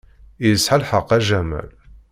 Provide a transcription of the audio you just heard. Yesɛa lḥeqq a Jamal.